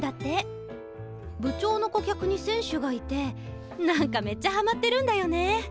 部長の顧客に選手がいてなんかめっちゃハマってるんだよね。